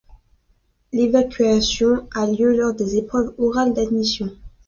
L'évaluation a lieu lors des épreuves orales d'admission.